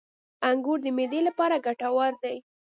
• انګور د معدې لپاره ګټور دي.